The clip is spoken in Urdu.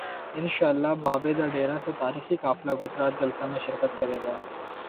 انشا ءاللہ بابے دا ڈیرہ سے تا ریخی قافلہ گجرات جلسہ میں شر کت کر ے گا